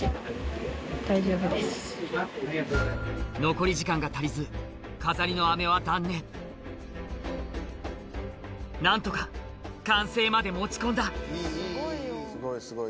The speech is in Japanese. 残り時間が足りず飾りの飴は断念何とか完成まで持ち込んだすごいすごい！